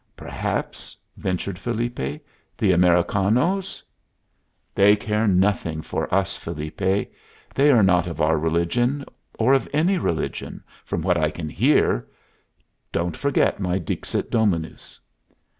"Perhaps," ventured Felipe, "the Americanos " "They care nothing for us, Felipe. They are not of our religion or of any religion, from what I can hear. Don't forget my Dixit Dominus."